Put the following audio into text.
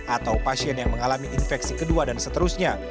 atau pasien yang mengalami infeksi kedua dan seterusnya